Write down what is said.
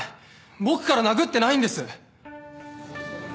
僕から殴ってないんです！